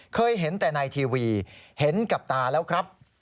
เคยเห็นแต่ในทีวีเห็นกับตาแล้วครับ